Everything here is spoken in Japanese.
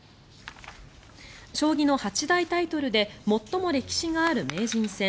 将棋の八大タイトルで最も歴史がある名人戦。